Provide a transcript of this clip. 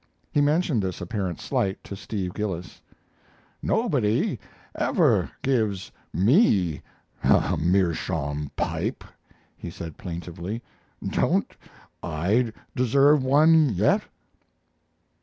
He mentioned this apparent slight to Steve Gillis: "Nobody ever gives me a meerschaum pipe," he said, plaintively. "Don't I deserve one yet?"